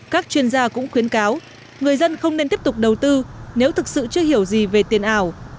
các chuyên gia cũng khuyến cáo người dân không nên tiếp tục đầu tư nếu thực sự chưa hiểu gì về tiền ảo